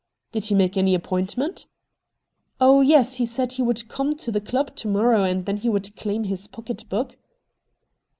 ' Did he make any appointment ?'' Oh yes, he said he would come to the club to morrow and then he would claim his pocket book.'